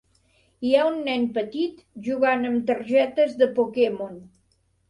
Hi ha un nen petit, jugant amb targetes de Pokémon.